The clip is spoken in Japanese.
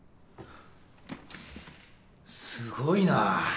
すごいな。